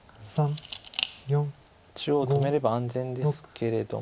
中央止めれば安全ですけれども。